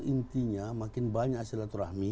intinya makin banyak asilaturahmi